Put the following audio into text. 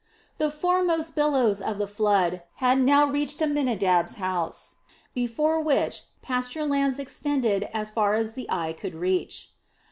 The foremost billows of the flood had now reached Amminadab's house, before which pasture lands extended as far as the eye could reach.